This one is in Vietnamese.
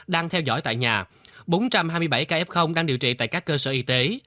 đang theo dõi tại nhà bốn trăm hai mươi bảy ca f đang điều trị tại các cơ sở y tế